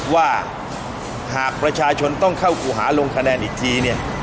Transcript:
ว่าหากประชาชนต้องเข้ากู่หาลงคะแนนอีกทีเนี่ย